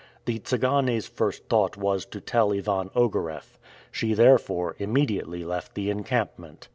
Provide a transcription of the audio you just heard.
The Tsigane's first thought was to tell Ivan Ogareff. She therefore immediately left the encampment.